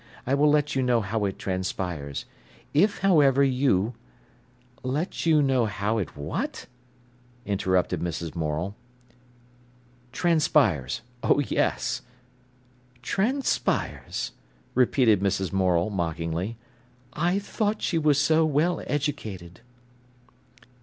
I will let you know how it transpires. If, however, you—'" "'Let you know how it' what?" interrupted Mrs. Morel. "'Transpires'—oh yes!" "'Transpires!'" repeated Mrs. Morel mockingly. "I thought she was so well educated!"